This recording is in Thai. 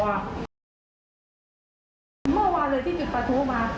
คือต้องบินแม่นอนตอนนี้เราคิดไหมว่าจะได้กินกลับได้ยังไง